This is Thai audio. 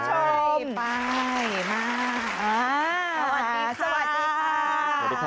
สวัสดีค่ะ